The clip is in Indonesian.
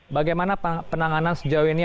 bagaimana penanganan sejauh ini